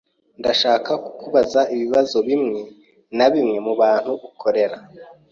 Ndashaka kukubaza ibibazo bimwe na bimwe mubantu ukorera.